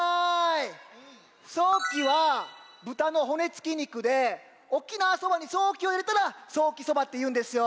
ソーキはぶたのほねつきにくで沖縄そばにソーキをいれたらソーキそばっていうんですよ。